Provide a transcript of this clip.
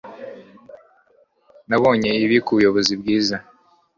Nabonye ibi kubuyobozi bwiza